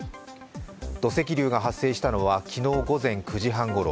土石流が発生したのは昨日午前９時半ごろ。